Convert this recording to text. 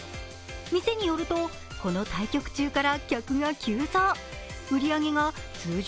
店によるとこの対局中から売り上げが急増。